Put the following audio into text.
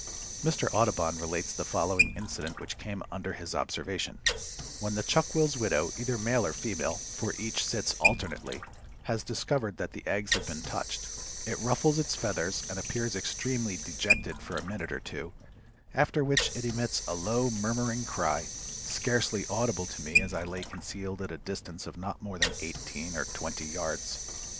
Mr. Audubon relates the following incident which came under his observation: "When the Chuck will's widow, either male or female (for each sits alternately), has discovered that the eggs have been touched, it ruffles its feathers and appears extremely dejected for a minute or two, after which it emits a low, murmuring cry, scarcely audible to me as I lay concealed at a distance not more than eighteen or twenty yards.